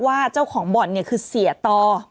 ว่าเจ้าของบ่อนเนี่ยคือเสียต่อ